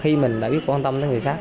khi mình đã biết quan tâm tới người khác